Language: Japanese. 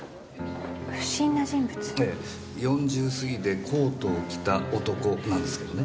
ええ４０過ぎでコートを着た男なんですけどね。